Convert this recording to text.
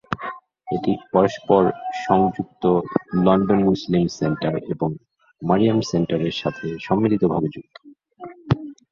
এটি পরস্পর সংযুক্ত লন্ডন মুসলিম সেন্টার এবং মারিয়াম সেন্টারের সাথে সম্মিলিতভাবে যুক্ত।